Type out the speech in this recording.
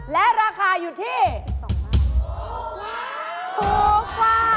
และราคาอยู่ที่ไหน